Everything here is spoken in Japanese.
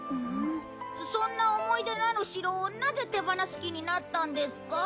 そんな思い出のある城をなぜ手放す気になったんですか？